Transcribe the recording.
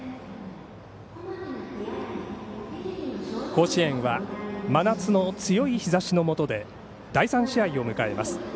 甲子園は真夏の強い日ざしのもとで第３試合を迎えます。